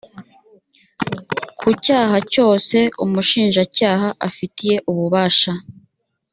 ku cyaha cyose umushinjacyaha afitiye ububasha